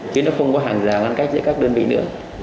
chứ nó không có hàng rào ngăn cách giữa các đơn vị nữa